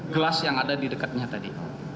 gelas yang ada di dekatnya tadi